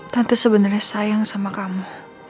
tante sebenarnya sayang sama kamu